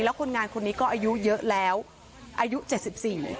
แล้วคนงานคนนี้ก็อายุเยอะแล้วอายุเจ็ดสิบสี่